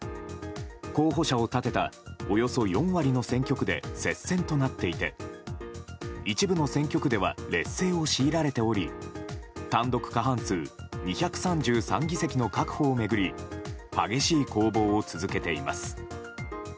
候補者を立てたおよそ４割の選挙区で接戦となっていて一部の選挙区では劣勢を強いられており単独過半数２３３議席の確保を巡り激しい攻防を続けています。